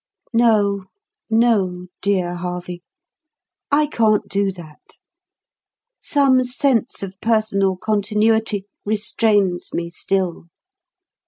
No, no, dear Harvey; I can't do that. Some sense of personal continuity restrains me still.